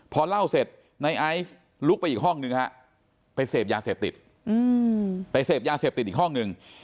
พอเล่าเสร็จในไอซ์ลุกไปอีกห้องหนึ่งไปเสพยาเสพติดอีกห้องหนึ่ง